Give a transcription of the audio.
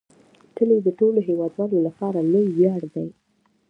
کلي د ټولو هیوادوالو لپاره لوی ویاړ دی.